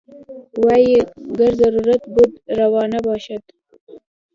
وايي ګر ضرورت بود روا باشد.